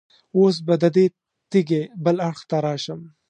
اوس به د دې تیږې بل اړخ ته راشم.